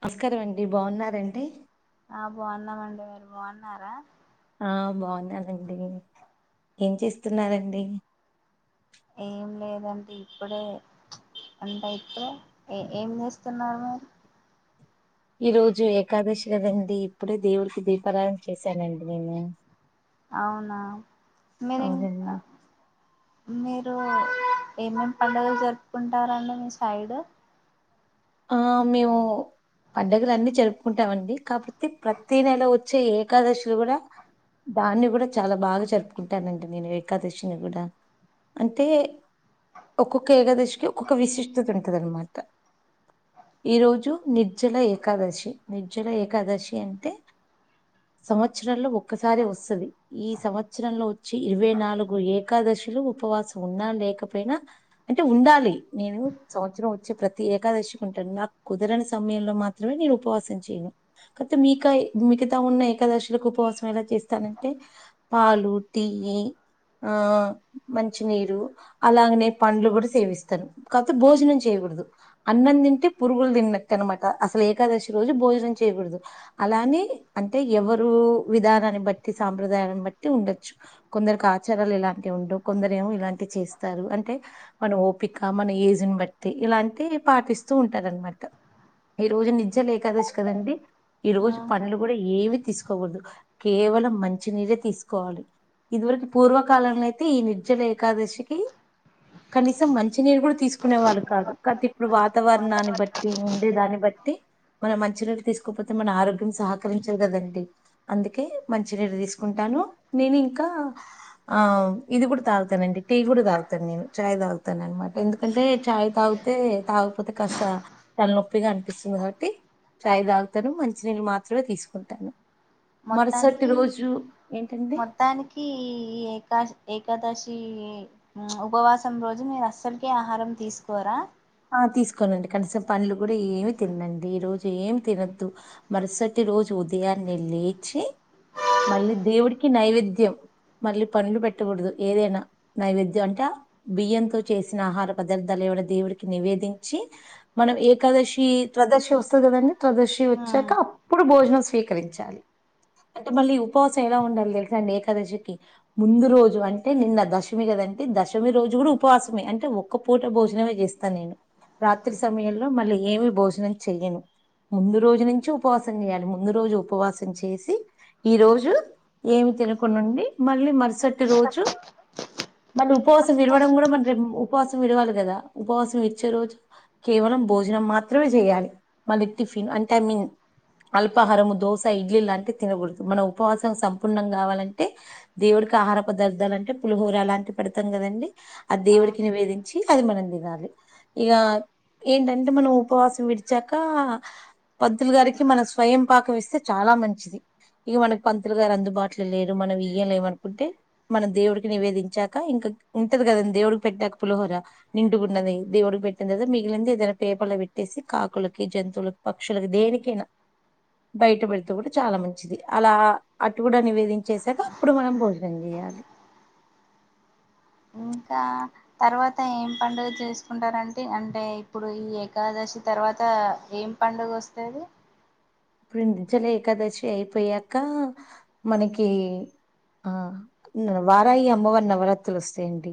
నమస్కారం అండి బాగున్నారండి. ఆ బాగున్నామండి మీరు బాగున్నారా. ఆ బావున్నానండి ఏంచేస్తున్నారండి. ఏం లేదండి ఇప్పుడే వంటయితే ఏ ఏం చేస్తున్నారు మీరు? ఈరోజు ఏకాదశి గదండి, ఇప్పుడే దేవుడికి దీపారాధన చేశానండి. నేను అవునా మీరు ఇంకా. అవునండి మీరు ఏమేమి పండుగలు జరుపుకుంటారండి మీ సైడు. ఆ మేము పడుగలు అన్ని జరుపుకుంటామండి. కాపోతే ప్రతి నెల వచ్చే ఏకాదశి కూడా, దాన్ని కూడా చాలా బాగా జరుపుకుంటానండి, నేను ఏకాదశిని కూడా. అంటే ఒక్కొక్క ఏకాదశికి ఒక్కొక్క విశిష్టత ఉంటది అన్నమాట. ఈరోజు నిర్జల ఏకాదశి నిర్జల ఏకాదశి అంటే? సంవత్సరంలో ఒక్కసారి వస్తది, ఈ సంవత్సరంలో వచ్చి ఇరవై నాలుగు ఏకాద. శిలో ఉపవాసం ఉన్నా, లేకపోయినా అంటే ఉండాలి. నేను సంవత్సరం వచ్చే ప్రతి ఏకాదశి. కుంటాను. నాకు కుదరని సమయంలో మాత్రమే నేను ఉపవాసం చేయను, కాపోతే మీకై మిగతా ఉన్నయి. ఏకాదశులకు ఉపవాసం ఎలా చేస్తానంటే పాలు, టియ్యి. ఆ మంచినీరు అలాగనే, పండ్లు కూడా సేవిస్తాను. కాకపోతే భోజనం చేయ. [unintelligible] కుడదు అన్నందిన్ టె పురుగులు తిన్నట్టు అనమాట. అసలు ఏకాదశి రోజు భోజనం చేయకూడదు, అలాని అంటే ఎవర్. రు. విధానాన్ని బట్టి సాంప్రదాయాన్ని బట్టి. ఉండొచ్చు కొందరకు ఆచారాలు ఏలాంటివి ఉండవు కొందరే. రెమో ఇలాంటి చేస్తారు. అంటే మన ఓపిక, మన ఏజ్ బట్టి ఇలాంటి పాటిస్. స్తూ ఉంటారనమాట ఈరోజు నిజ్జల ఏకాదశి కదండి, ఆ ఈరోజు పండ్లు కూడా ఏవి తీసుకోకూడదు కేవ. వలం మంచినీరే తీసుకోవాలి. ఇదివరకు పూర్వకాలంలో అయితే ఈ నిర్జల ఏకాదశికి. కనీసం మంచినీరు కూడా తీసుకునే వాళ్ళు కాదు కాతే ఇప్పుడు వా. తవరణాన్ని బట్టి ఉండే దాన్ని బట్టి. మనం మంచినీరు తీసుకోపోతే మన ఆరోగ్యం సహకరించదు కదండి, అందుకే మంచినీరు తీసుకుం. టాను నేను ఇంకా ఆ ఇది కూడా తాగుతానండి, టీ కూడా తాగుతాను నేను చాయ్ తాగ్. తాగుతాననమాట ఎందుకంటే చాయ్ తాగితే తాగు. కాకపోతే కాస్త తలనొప్పిగా అనిపిస్తుంది కాబట్టి. చాయ్ తాగుతాను మంచినీళ్ళు మాత్రమే తీసుకుంటాను మరుసటి మొత్తానికి, రోజు ఏంటంటే మొత్తానికి ఈ ఏకా, ఏకాదశి. ఈ ఉపవాసం రోజు మీరు అస్సలకే ఆహారం తీసుకోరా? ఆ తీసుకోనండి కనిసం పల్లు కూడా ఏమి తినండి ఈ రోజు ఏమి తినద్దు మరుసటి రోజు ఉదయాన్నే లేచి మళ్ళీ దేవుడికి నైవేద్యం మళ్ళీ పండ్లు పెట్టకూడదు ఏదైనా నైవేద్యం అంటే బియ్యంతో చేసిన ఆహార పదార్థాలు డు దేవుడు నివేదించి మనం ఏకాదశి త్రదర్శి వస్తుంది కదండి త్రదశి ఆ వచ్చాక అప్పుడు ఇప్పుడు భోజనం స్వీకరించాలి అంటే మళ్ళీ ఉపవాసం ఎలా ఉండాలి తెలిసండి ఏకాదశికి ముందు రోజు అంటే నిన్న దశమి కద అంటే దశమి రోజు కూడా ఉపవాసమే అంటే ఒక్క పూట భోజనమే చేస్త నేను రాత్రి సమయంలో మళ్ళీ ఏమి భోజనం చెయ్యను ముందు రోజు నుంచి ఉపవాసం చేయాలి ముందు రోజు ఉపవాసం చేసి ఈ రోజు ఏమి తినకునుండి మళ్ళీ మరుసటి రోజు మళ్ళీ ఉపవాసం విడవడం కూడా మన ఉపవాసం విడవాలి కదా ఉపవాసం ఇచ్చే రోజు కేవలం భోజనం మాత్రమే చేయాలి మళ్ళీ టిఫిన్ అంటే ఐ మీన్ అల్పాహారంము దోస ఇడ్లీ లాంటివి తినకూడదు మన ఉపవాసం సంపూర్ణం కావాలంటే దేవు ఆహార పదార్థాలు అంటే పులిహోర అలాంటి పెడతాం కదండి అది ఆ దేవుడికి నివేదించి అది మనం తినాలి ఇగ ఏంటంటే మనం ఉపవాసం విడిచాక పద్దులు గారికి మన స్వయం పాకం ఇస్తే చాలా చా మంచిది ఇగ మనకి పంతులు గారు అందుబాటులో లేరు మన వియ్యలేమనుకుంటే మనం దేవుడికి నివేదించాక ఇంక ఉంటది కదాం దేవుడికి పెట్టాక పులహోర నిం డుగా ఉన్నది దేవుడుకి పెట్టింది మిగిలింది ఏదైనా పేపర్లో పెట్టేసి కాకులకి జంతువులకి పక్షులకి దేనికి బయట పెడితే కూడా చాలా మంచిది అలా అటు కూడా నివేదించేసాక అప్పుడు మనం భోజనం చేయాలి ఇంకా తర్వాత ఏం పండుగ చేసుకుంటారంటే అంటే ఇప్పుడు ఈ ఏకాదశి వచ్చి తర్వాత ఏం పండుగ వస్తది ఇప్పుడు నించలు ఏకాదశి అయిపోయాక మనకి ఆ వారాయి అమ్మవారి నవరాత్రులు వస్తాయండి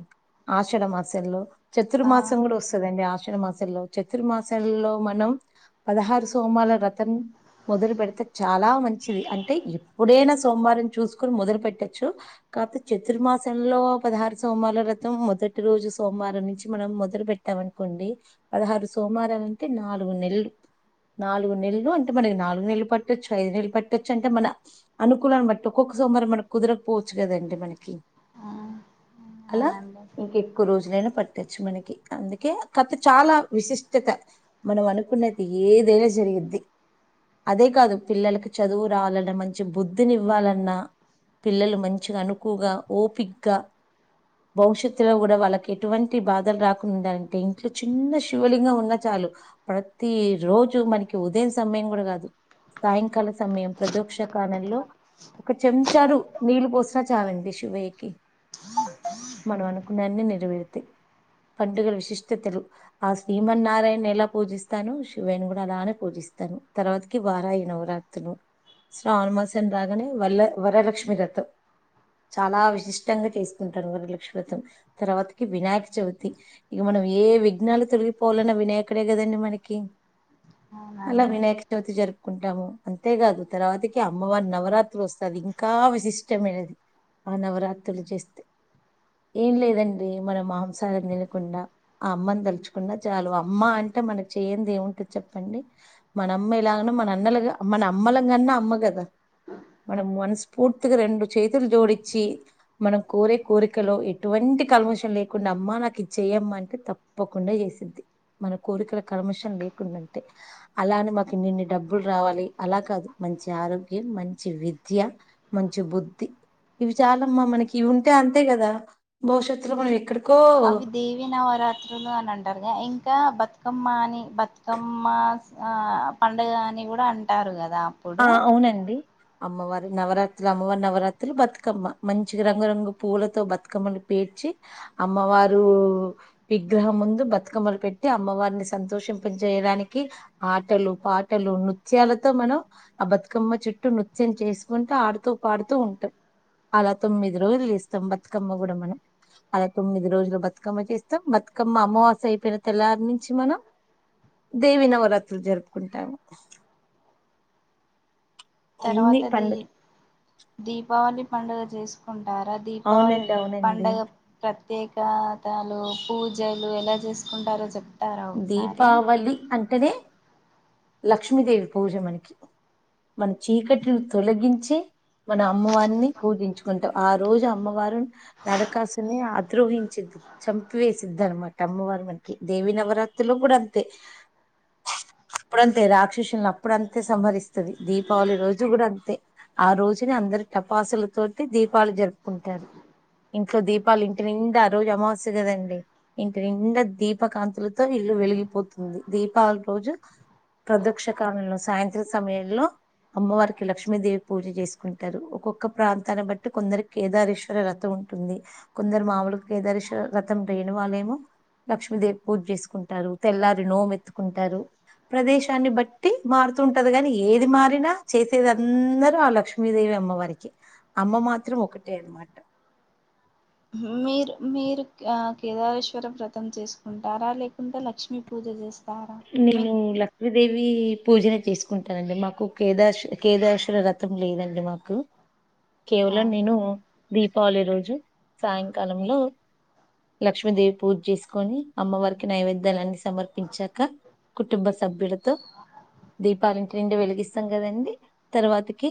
ఆషాఢ మాసంలో చతుర్ ఆ మాసం కూడా వస్తుదండి ఆస్ మాసంలో చతుర్మాసల్లో మనం పదహారు సోమాల రతం మొదలు పెడితే చాలా మంచిది అంటే ఎప్పుడైనా సోమవారం చూసుకోని మొదలు పెట్టొచ్చు కాపతే చతుర్మాసంలో పదహారు సోమవార రథం మొదటి రోజు సోమవారం నుంచి మనం మొదలు పెట్టాము అనుకోండి పదహారు సోమారాలు అంటే నాలుగు నెల్లు నాలుగు నెల్లు అంటే మనకి నాలుగు ఆరు నెలలు పట్టొచ్చు ఐదు నెలలు పట్టచ్చు అంటే మన అనుకూలాన్ని బట్టి ఒక్కొక్క సోమవారం మనకుదరకపోవచ్చు కదండి మనకి ఆ అలా అవునండి ఇంక ఎక్కువ రోజులైనా పట్టొచ్చు మనకి అందుకే కాకపోతే చాలా విశిష్టత మనం అనుకున్నది ఏదైనా జరిగిద్ది అదే కాదు పిల్లలలకు చదువు రావాలన్న మంచి బుద్ధిని ఇవ్వాలన్నా పిల్లలు మంచిగా అనుకుగా ఓపిగగా భవిష్యత్తులో కూడా వాళ్ళకి ఎటువంటి బాధలు రాకుండా ఉండాలంటే ఇంట్లో చిన్న శివలింగం ఉన్న చాల ప్రతి రోజు మనకి ఉదయం సమయం కూడా కాదు సాయంకాల సమయం ప్రదోక్ష కాలంలో ఒక చెంచారు నీళ్లు పోసిన చాలండి శివయ్యకి మనం అనుకున్నయన్ని నెరవేర్తయి పండుగల విశిష్టతలు ఆ శ్రీమన్నారాయణ ఎలా పూజిస్తాను శివయని కూడా అలానే పూజిస్తాను ఇస్తాను తర్వాత వారాయి నవరాత్రుల శ్రావణ మాసం రాగానే వల్ల వరలక్ష్మి వ్రతం చాలా విశిష్టంగా చేసుకుంటారు మారు లక్ష్మతం తర్వాతకి వినాయక చవితి ఇక మ వ ఏ విఘ్నాలు తొలగిపోవాలన్నా వినాయకుడే కదండి మనకి అవునండి తు జరుపుకుంటాము. అంతేగాదు తర్వాతకి అమ్మవారి నవరాత్రి వస్తది ఇంకా విశిష్టమైనది. ఆ నవరాత్రులు చేస్తే ఏం లేదండి. మనం మాంసాహర్ నిలకుండా ఆ అమ్మను దల్చుకున్నా చాలు అమ్మ అన్ టే మనక్ చేయంది ఏముంటది చెప్పండి. మన్ నమ్మ ఎలాగానో మన అన్నలగ్ మన అమ్మలన్ గాన్నా అమ్మ గదా. మనం మనస్ఫూర్తిగా రెండు చేతులు జోడించి మనం కోరే కోరికలో ఎటువంట్ టి కలమోషన్ లేకుండా అమ్మా నాకు ఇది చ చేయమ్మా అంటే తప్పకుండా ఏసింది. మన కోరికల కర్మషన్ లేకుండా అంటే అలాన్ మక్ కీన్ ఇన్ని డబ్బులు రావాలి. అలా కాదు మంచి ఆరోగ్యం మంచి విద్య మంచి బుద్ధి. ఇవి చాలమ్మా మనకి ఇవి ఉంటే అంతే గదా భవిష్యత్తులో మనం ఎక్కడక్ అవి దేవి నవరాత్రులు అని అంటారుగా ఇంకా బతు కమ్మ అని బతుకమ్మస్ ఆ పండుగ అని కూడా అంటారు గద్ ఆ అవునండి. అమ్మవారి నవరాత్రి అమ్మవారి నవరాత్రి బతుకమ్మ మంచి రంగురంగు పువ్వులతో బతుకమ్మలు పె ఏడ్చి అమ్మవారు విగ్రహం ముందు బతుకమ్మలు పెట్టి అమ్మవారిని సంతోషం ఇపున్ జేయడానికి ఆటలు పాటలు నృత్యాలతో మనవ్ ఆ బతుకమ్మ చుట్టూ నృత్యం చేసుకుంటూ ఆడుతూ పాడుతూ ఉంటామ్ అలా తొమ్మిది రోలు ఏస్తాం బతుకమ్మ గూడా మనమ్ అలా తొమ్మిది రోజులు బతుకమ్మ జేస్తాం బతుకమ్మ అమావాస్య అయిపోయిన తెల్లారి నుంచి మనం దేవి నవరాత్రులు జరుపుకుంటావు. తర్వాత దీ దీపావళి పండుగ జేసుకున్ రారా దీపావళి అవునండి అవునండి పండగ ప్రత్ తేకాతాలు పూజలు ఎలా జేసుకుంటారో జేప్ దీపావళి అంటనే లక్ష్మీదేవి పూజ మనకి మన చీకట్లను తొలగించి మన అమ్మవారిని పూజించుకుంటాం ఆ రోజు అమ్మవారు నరకాసుని ఆద్రోహించిన్ తు చంపివేసిద్ద అనమాట అమ్మవారు మనకి దేవి నవరాత్రిలో గూడా అంతే [inaudible] ప్పుడంతే రాక్షసులను అప్పుడంతే సంహరిస్తది. దీపావళి రోజు గూడా అంతే ఆ రోజునే అందరి టపాసుల తోటి దీపావళి జరుపుకుంటారు. ఇంట్లో దీపాలు ఇంటి నిండా ఆ రోజు అమావాస్య గదండి. ఇంటి నిండా దీప కాంతులతో లు వెలిగిపోతుంది. దీపావళి రోజు ప్రదక్ష కాలంలో సాయంత్ర సమయంలో అమ్మవారికి లక్ష్మీదేవి పూజ జేసుకుంటారు. ఒక్కొక్క ప్రాంతాన్నా బట్టి కొందరు కేదారేశ్వర వ్రతం ఉన్ ఉంటుంది. కొందరు మామూలుగ్ కేదరేశ్వర వ్రతం లేని వాళ్ళేమో లక్ష్మీదేవ్ పూజ్ జేసుకుంటారు. తెల్లారి నోమెంతుకుంటారు. ప్రదేశాన్ని బట్టి మారుతూ ఉంటద్ గాని ఏది మారినా చేసేది అందరూ ఆ లక్ష్మీదేవి అమ్ అమ్మ వారికి అమ్మ మాత్రం ఒకటే అనమాట. మీరు మీరు క్ ఆ కేదారేశ్వర వ్రతం చేసుకుంటారా లేకుంటే లక్ష్మీ పూజ జేస్ నేను లక్ష్మీదేవి ఇవి పూజనే చేసుకుంటానండి మాకు కేదారశ్ కేదారేశ్వర వ్రతం లేదండి మాకు కేవలం అవునా నేను దీపావళి రోజు సాయంకాలంలో లక్ష్మీదేవి పూజ జేసుకొని అమ్మవారికి నైవేద్యాలన్ని సమర్పించాక్ క కుటుంబ సభ్యడుతో దీపాల్ ఇంటి నిండా వెలిగిస్తాం కదండి. తర్వాతకి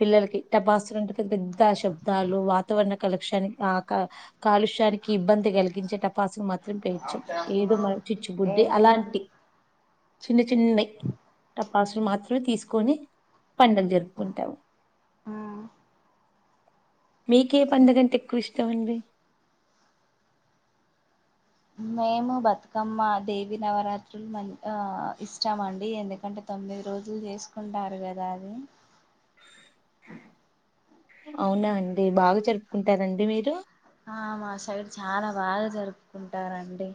పిల్లలకి టపాసులు అంటే పెద్ద పెద్ద శబ్దాలు వాతావరణ కాలక్ష్యాన్ ఆ కా కాలుష్య తరికి ఇబ్బంది గలిగించే టపాసును మాత్రం పేర్చం ఏదో మంచి చిచ్చుబుడ్డి ఏం లేదండి అలాంటి చిన్న చిన్నయ్ టపాసులు మాత్రమే తీసుకొని పండగ్ జరుపుకుంటావ్ [inaudible] మీకే పండుగంటే ఎక్కువ ఇష్టవండి. మేము బతుకమ్మ దేవి నవరాత్రులు మం ఆ ఇష్టామండి ఎందుకంటే తొమ్మిది మిది రోజులు చేసుకుంటారు కదా అదీ అవునా అండి బాగా జరుపుకుంటారా అండి మీరు ఆ మా సైడ్ చాలా బాగా జరుపుకుంటారంండి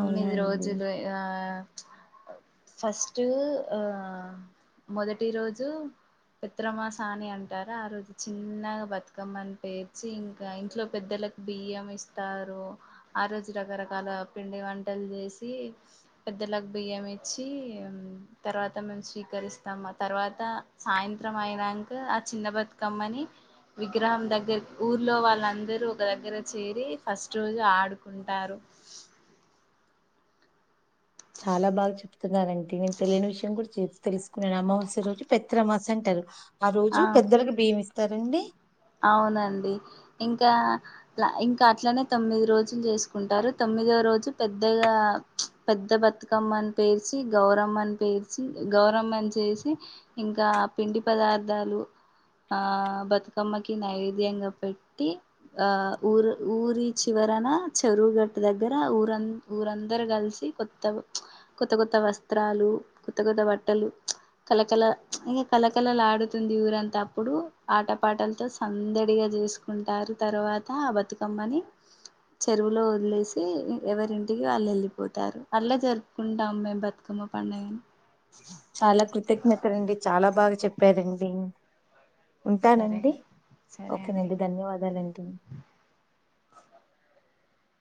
అవునా అండి రోజులు ఏ ఆ [inaudible] ఫస్ట్ ఆ మొదటి రోజు పెత్ర అమాస అని అంటారు ఆ రోజు చిన్నగా బతుకమ్మని పేర్చి ఇంకా ఇంట్లో పెద్దలకు బియ్యం ఇస్తారు. ఆ రోజు రకరకాల పిండి వంటలు జేసి పెద్దలకు బియ్యం ఇచ్చి తర్వాత మేము స్వీకరిస్తాం తర్వాత ఆ సాయంత్రం అయినాక ఆ చిన్న బతుకమ్మని విగ్రహం దగ్గర ఊర్లో వాళ్ళందరు ఒక దగ్గర చేరి ఫస్ట్ రోజు ఆడుకుంటారు చాలా బాగా చెప్ స్తున్నారండి నేను తెలియని విషయం కూడా చెప్ తెలుసుకున్నాను అమావాస్య రోజు పెత్తర అమావాస్య అంటారు ఆ రోజు పెద్దలకి బియ్యం ఇస్తారండి అవునండి ఇంకా ఇంకా అట్లనే తొమ్మిది రోజులు చేసుకుంటారు తొమ్మిది తొమ్మిదో రోజు పెద్దగా పెద్ద బతుకమ్మనీ పేర్చి గౌరమ్మని పేర్చి గౌరమ్మని చేసి ఇంకా ఆ పిండి పదార్థాలు ఆ బతు కమ్మకి నైవేద్యంగా పెట్టి ఆ ఊరు ఊరి చివరన చెరువుగట్టు దగ్గర ఊరం ఊరందరూ కలిసి కొత్త కొత్త కొత్త వస్త్రాలు కొత్త కొత్త బట్టలు కలకల ఇంకా కలకళలు ఆడుతుంది ఊరంతా అప్పుడు ఆట పాటలతో సందడిగా చేసుకుంటారు. తర్వాత ఆ బతుకమ్మని చెరువులో వదిలేసి ఎవరింటికి వాళ్ళు వెళ్ళిపోతారు అట్లా జరుపుకుంటాం మేము బతుక మ పండగను చాలా కృతజ్ఞత రండి చాలా బాగా చెప్పారండి సరే ఉంటానండి సరే అండి ఓకేనండి ధన్యవాదాలండి.